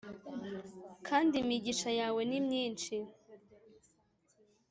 kandi imigisha yawe ni myinshi.